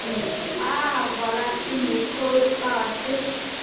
Ah ! voilà ! tu ne creuses pas assez.